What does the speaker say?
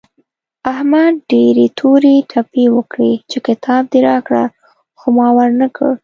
احمد ډېرې تورې تپې وکړې چې کتاب دې راکړه خو ما ور نه کړ.